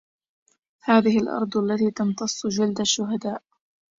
هذه الأرض التي تمتصُّ جلد الشهداءْ